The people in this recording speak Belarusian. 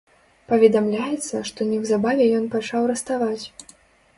Паведамляецца, што неўзабаве ён пачаў раставаць.